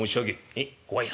「えっご挨拶？